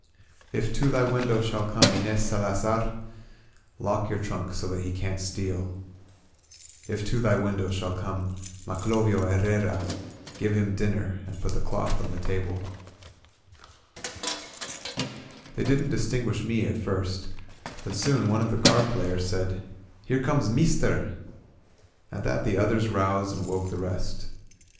If to thy window shall come Inez Salazar^ Lock your trunk so that he can^t steal; If to thy window shall come Maclovio Herrera, Give him dvrmer and put the cloth on the table, 42 LA TROPA ON THE MARCH They didn't distinguish me at first, but soon one of the card players said : "Here comes Meester !" At that the others roused, and woke the rest.